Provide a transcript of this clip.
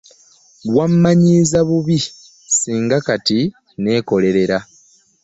Wammanyiiza bubi ssinga kati nneekolerera.